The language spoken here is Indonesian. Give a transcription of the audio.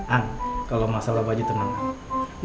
ang kalo masalah baju tenang